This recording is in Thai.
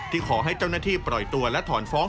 ขอให้เจ้าหน้าที่ปล่อยตัวและถอนฟ้อง